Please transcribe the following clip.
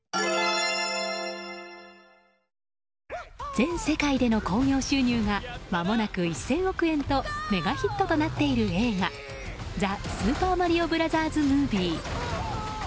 全世界での興行収入がまもなく１０００億円とメガヒットとなっている映画「ザ・スーパーマリオブラザーズ・ムービー」。